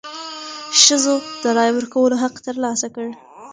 ښځو د رایې ورکولو حق تر لاسه کړ.